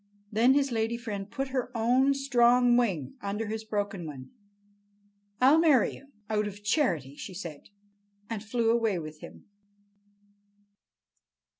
Then his lady friend put her own strong wing under his broken one. "I'll marry you—out of charity," she said, and flew away with him.